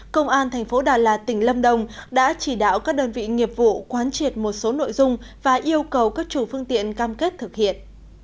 công an thành phố đà lạt tỉnh lâm đồng đã chỉ đạo các đơn vị nghiệp vụ quán triệt một số nội dung và yêu cầu các chủ phương tiện cam kết thực hiện